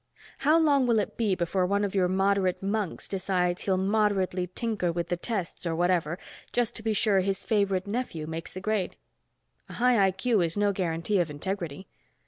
How long will it be before one of your moderate monks decides he'll moderately tinker with the tests, or whatever, just to be sure his favorite nephew makes the grade? A high I.Q. is no guarantee of integrity."